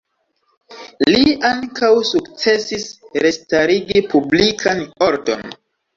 Li ankaŭ sukcesis restarigi publikan ordon.